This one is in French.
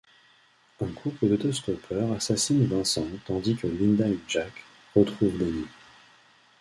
Un couple d’auto-stoppeurs assassine Vincent tandis que Linda et Jack retrouvent Danny.